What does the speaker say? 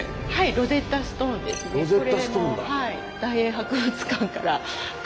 ロゼッタ・ストーンですねこれも。